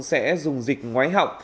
sẽ dùng dịch ngoái họng